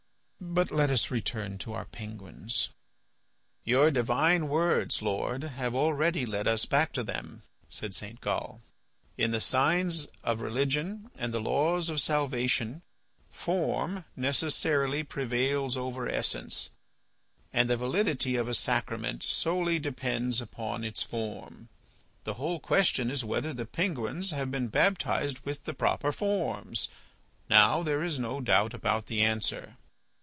But let us return to our penguins." "Your divine words, Lord, have already led us back to them," said St. Gal. "In the signs of religion and the laws of salvation form necessarily prevails over essence, and the validity of a sacrament solely depends upon its form. The whole question is whether the penguins have been baptized with the proper forms. Now there is no doubt about the answer."